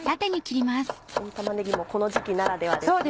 新玉ねぎもこの時期ならではですね。